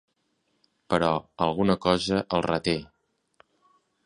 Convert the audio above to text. Però alguna cosa el reté.